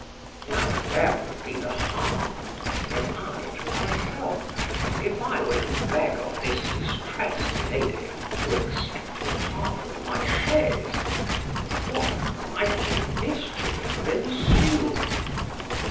— —Now where would be the harm, said I to myself, if I were to beg of this distressed lady to accept of half of my chaise?—and what mighty mischief could ensue?